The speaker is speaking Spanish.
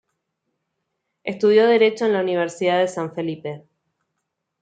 Estudió derecho en la Universidad de San Felipe.